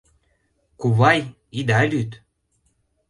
— Кувай, ида лӱд...